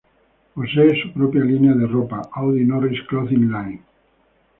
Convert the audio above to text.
Posee su propia línea de ropa, Audie Norris Clothing Line.